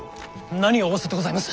何を仰せでございます。